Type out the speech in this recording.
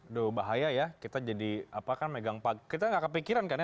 aduh bahaya ya kita jadi apa kan megang kita nggak kepikiran kan ya